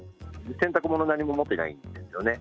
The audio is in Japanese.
洗濯物、何も持っていないんですよね。